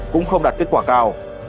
cũng không đạt kết quả cao